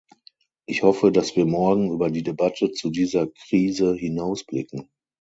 Ich hoffe, dass wir morgen über die Debatte zu dieser Krise hinausblicken.